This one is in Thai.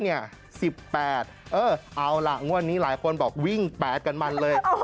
เอาล่ะงวดนี้หลายคนบอกวิ่ง๘กันมันเลย